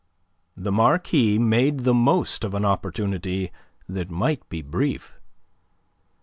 The Marquis made the most of an opportunity that might be brief.